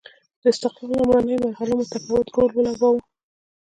د استقلال لومړنیو مرحلو متفاوت رول ولوباوه.